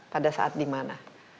pada saat di mana